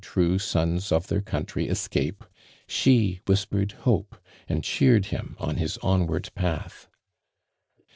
ito [sons of their country escape, she whis]'ered hope, and cheered him on his onwind path.